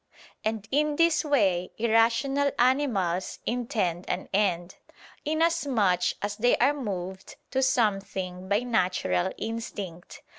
And in this way, irrational animals intend an end, inasmuch as they are moved to something by natural instinct.